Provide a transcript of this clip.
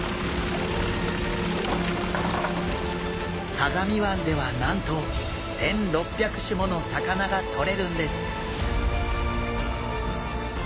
相模湾ではなんと１，６００種もの魚がとれるんです！